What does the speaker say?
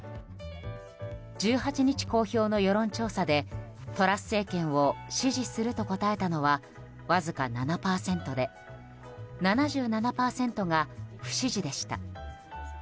１８日公表の世論調査でトラス政権を支持すると答えたのはわずか７％で７７％が不支持でした。